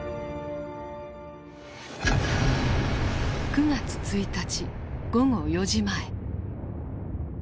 ９月１日午後４時前。